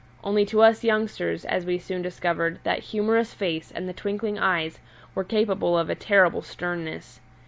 Only to us youngsters, as we soon discovered, that humorous face and the twinkling eyes were capable of a terrible sternness.